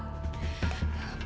itu sama sekali gak cukup mas